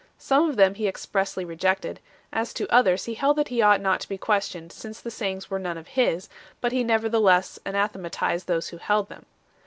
Some of them he expressly re jected; as to others, he held that he ought not to be questioned, since the sayings were none of his; but he nevertheless anathematized those who held them.